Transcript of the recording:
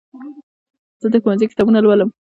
زه د ښوونځي کتابونه لولم.